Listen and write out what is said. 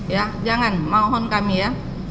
ya jangan mohon kami ya